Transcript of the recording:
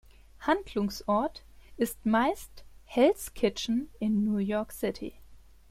Handlungsort ist meist Hell’s Kitchen in New York City.